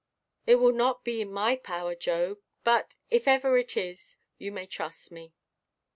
"It will not be in my power, Job. But if ever it is, you may trust me."